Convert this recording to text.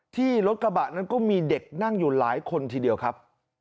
ที่รถกระบะนั้นก็มีเด็กนั่งอยู่หลายคนทีเดียวครับ